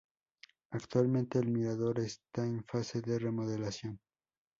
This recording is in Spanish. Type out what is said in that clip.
Actualmente el mirador está en fase de remodelación.